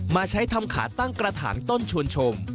มาใช้ทำขาตั้งกระถางต้นชวนชม